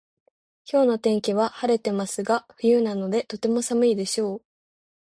今日の天気は晴れてますが冬なのでとても寒いでしょう